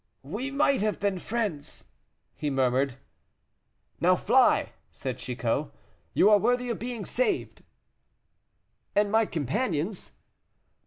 "We might have been friends," he murmured. "Now fly," said Chicot; "you are worthy of being saved." "And my companions?"